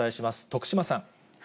徳島さん。